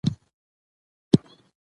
خزانې دي زلیخا مغروره نه کړي